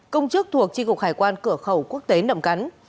công chức thuộc tri cục hải quan cửa khẩu quốc tế nậm cắn